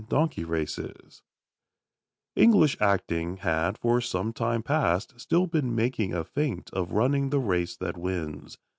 DONKEY RACES English acting had for some time past still been making a feint of running the race that wins.